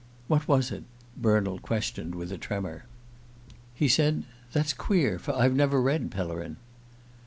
"What was it?" Bernald questioned, with a tremor. "He said: 'That's queer, for I've never read Pellerin.